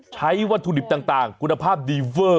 ใช้วัตถุดิบต่างคุณภาพดีเวอร์